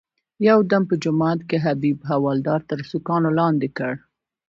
یو دم په جومات کې حبیب حوالدار تر سوکانو لاندې کړ.